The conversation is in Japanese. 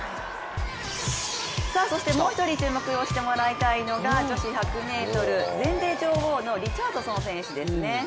そしてもう１人注目してもらいたいのが女子１００ｍ、全米女王のリチャードソン選手ですね。